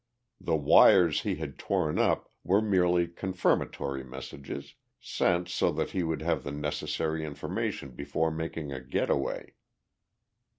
The wires he had torn up were merely confirmatory messages, sent so that he would have the necessary information before making a getaway.